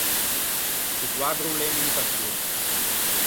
Sto quaddro o l’é unna imitaçion.